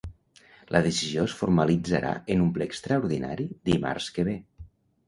La decisió es formalitzarà en un ple extraordinari dimarts que ve.